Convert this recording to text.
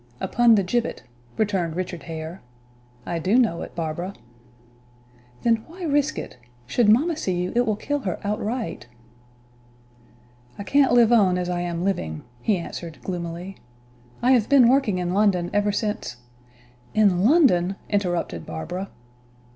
"Upon the gibbet," returned Richard Hare. "I do know it, Barbara." "Then why risk it? Should mamma see you it will kill her outright." "I can't live on as I am living," he answered, gloomily. "I have been working in London ever since " "In London!" interrupted Barbara.